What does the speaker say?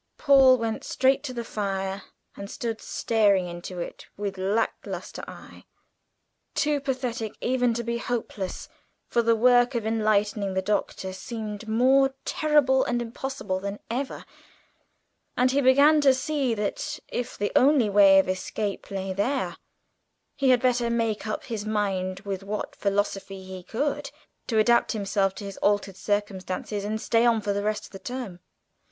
Paul went straight to the fire, and stood staring into it with lack lustre eye, too apathetic even to be hopeless, for the work of enlightening the Doctor seemed more terrible and impossible than ever, and he began to see that, if the only way of escape lay there, he had better make up his mind with what philosophy he could to adapt himself to his altered circumstances, and stay on for the rest of the term.